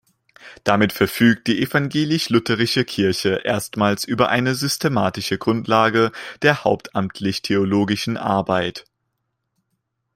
Damit verfügt die Evangelisch-Lutherische Kirche erstmals über eine systematische Grundlage der hauptamtlich-theologischen Arbeit.